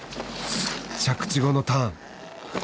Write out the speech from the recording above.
着地後のターン。